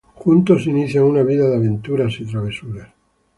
Juntos inician una vida de aventuras y travesuras.